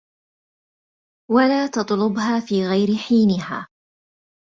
وَلَا تَطْلُبْهَا فِي غَيْرِ حِينِهَا